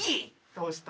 どうした？